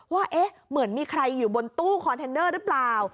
ว่าเหมือนมีใครอยู่บนตู้คอนเทนเนอร์หรือเปล่า